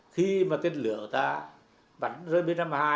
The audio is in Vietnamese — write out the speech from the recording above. khi mà tên lửa ta bắn rơi b năm mươi hai